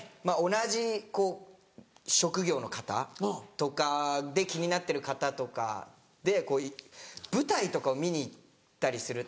同じ職業の方とかで気になってる方とかで舞台とかを見に行ったりすると。